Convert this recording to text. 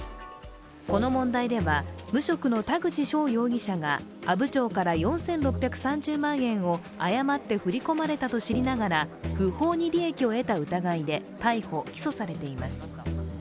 この問題では無職の田口翔容疑者が阿武町から４６３０万円を誤って振り込まれたと知りながら不法に利益を得た疑いで逮捕・起訴されています。